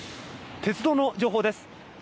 鉄道の情報です。